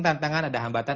tantangan ada hambatan